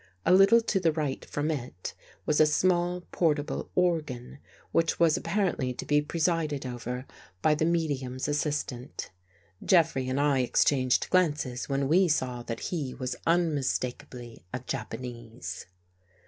A little to the right from it was a small portable organ, which was apparently to be presided over by the medium's THE GHOST GIRL assistant. Jeffrey and I exchanged glances when we saw that he was unmistakably a Japanese.